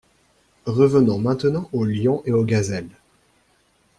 Revenons maintenant aux lions et aux gazelles.